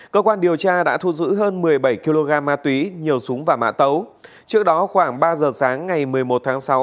cơ quan điều tra đã thu giữ hơn một mươi bảy kg ma túy nhiều súng và mã tấu trước đó khoảng ba giờ sáng ngày một mươi một tháng sáu